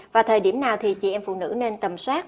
vào thời điểm nào thì chị em phụ nữ nên tầm soát